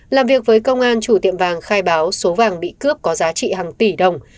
làm việc với công an chủ tiệm vàng khai báo số vàng bị cướp có giá trị hàng tỷ đồng